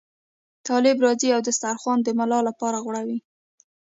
طالب راځي او دسترخوان د ملا لپاره غوړوي.